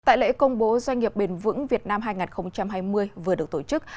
tại lễ công bố doanh nghiệp bền vững việt nam hai nghìn hai mươi vừa được tổ chức